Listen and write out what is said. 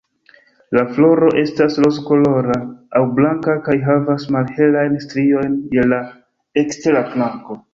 La floro estas rozkolora aŭ blanka kaj havas malhelajn striojn je la ekstera flanko.